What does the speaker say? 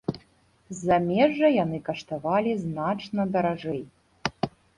З замежжа яны каштавалі значна даражэй.